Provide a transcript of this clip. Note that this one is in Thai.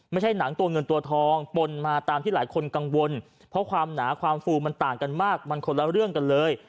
ไม่ใช่หนังตัวเงินตัวทองปนมาตามที่หลายคนกังวลเพราะความหนาความฟูมันต่างกันมากมันคนละเรื่องกันเลย